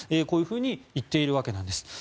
こういうふうに言っているわけなんです。